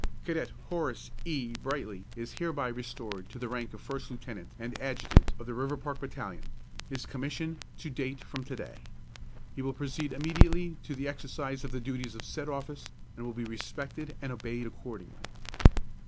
Cadet Horace E. Brightly is hereby restored to the rank of First Lieutenant and Adjutant of the Riverpark Battalion, his commission to date from to day. He will proceed immediately to the exercise of the duties of said office, and will be respected and obeyed accordingly.